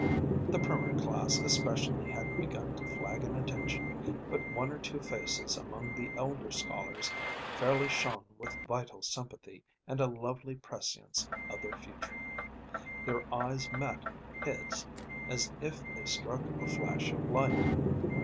The primer class especially had begun to flag in attention, but one or two faces among the elder scholars fairly shone with vital sympathy and a lovely prescience of their future. Their eyes met his as if they struck a flash of light.